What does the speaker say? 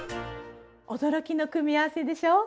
驚きの組み合わせでしょう？